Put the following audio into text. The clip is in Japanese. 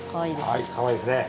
はいかわいいですね。